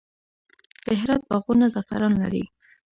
د هرات باغونه زعفران لري.